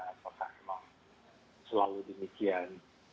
apakah memang selalu demikian